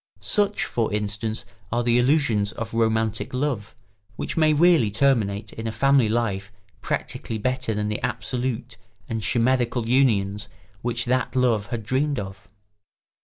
Such, for instance, are the illusions of romantic love, which may really terminate in a family life practically better than the absolute and chimerical unions which that love had dreamed of.